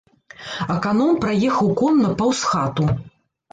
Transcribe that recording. Аканом праехаў конна паўз хату.